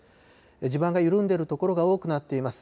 地盤が緩んでいる所が多くなっています。